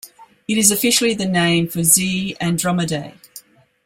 It is officially the name for xi Andromedae.